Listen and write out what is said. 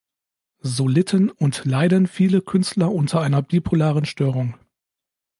So litten und leiden viele Künstler unter einer bipolaren Störung.